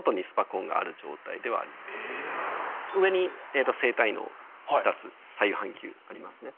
上に生体脳２つ左右半球ありますね。